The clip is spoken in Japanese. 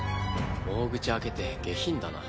大口開けて下品だな。